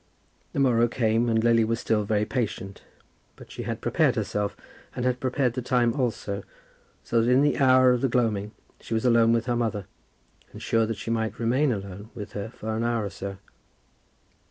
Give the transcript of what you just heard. The morrow came and Lily was still very patient; but she had prepared herself, and had prepared the time also, so that in the hour of the gloaming she was alone with her mother, and sure that she might remain alone with her for an hour or so.